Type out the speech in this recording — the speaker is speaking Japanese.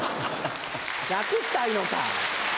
楽したいのか。